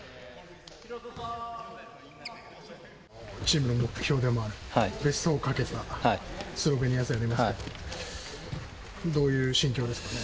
チームの目標でもあるベスト４を懸けたスロベニア戦になりますけどどういう心境ですか？